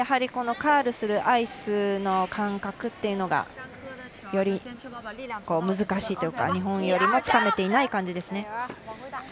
カールするアイスの感覚というのがより難しいというか日本よりもつかめていない感じです。